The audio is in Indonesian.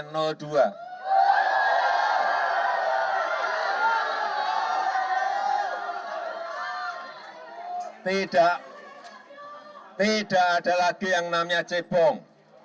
tidak ada lagi yang namanya cebong